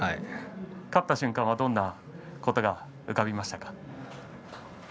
勝った瞬間はどんなことが浮かびましたか。